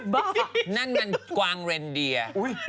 นั่นมันกวางเรนเดีย